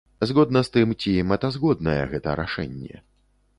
Згодна з тым, ці мэтазгоднае гэта рашэнне.